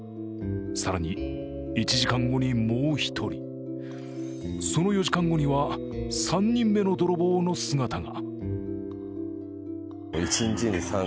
更に１時間後にもう１人、その４時間後には３人目の泥棒の姿が。